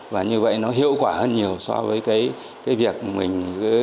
và như vậy nó hiệu quả hơn nhiều so với cái việc mình